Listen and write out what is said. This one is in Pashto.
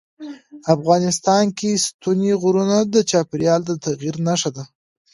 افغانستان کې ستوني غرونه د چاپېریال د تغیر نښه ده.